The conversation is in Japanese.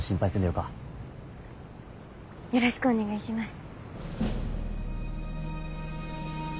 よろしくお願いします。